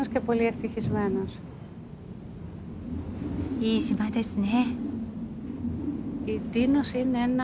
いい島ですね。